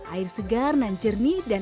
air segar dan jernih